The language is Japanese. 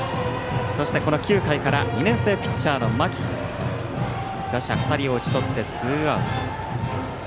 そして、この９回から２年生ピッチャーの間木、打者２人を打ち取ってツーアウト。